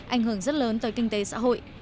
anh hưởng rất lớn tới kinh tế xã hội